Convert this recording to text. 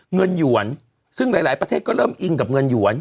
หยวนซึ่งหลายประเทศก็เริ่มอิงกับเงินหยวน